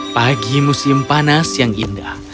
pagi musim panas yang indah